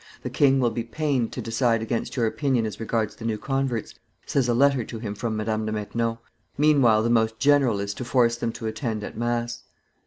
"The king will be pained to decide against your opinion as regards the new converts," says a letter to him from Madame de Maintenon; "meanwhile the most general is to force them to attend at mass.